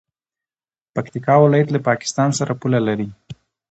پکتیکا ولایت له پاکستان سره پوله لري.